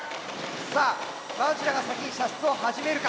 さあどちらが先に射出を始めるか。